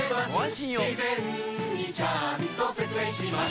事前にちゃんと説明します